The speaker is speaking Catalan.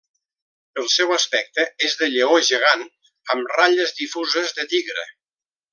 El seu aspecte és de lleó gegant amb ratlles difuses de tigre.